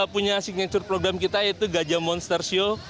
punya signature program kita yaitu gajah monster show